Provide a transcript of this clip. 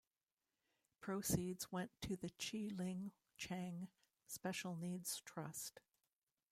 Proceeds went to the Chi Ling Cheng Special Needs Trust.